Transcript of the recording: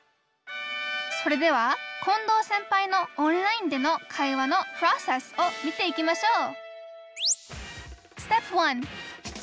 それでは近藤先輩のオンラインでの会話のプロセスを見ていきましょう